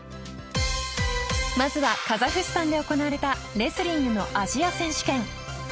まずはカザフスタンで行われたレスリングのアジア選手権。